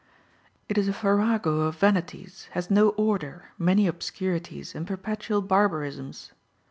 It is a farrago of vanities, has no order, many obscurities, and perpetual barbarisms.